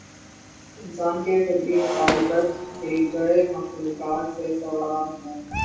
انسان کے فطری مطالبات، دیگر مخلوقات سے سوا ہیں۔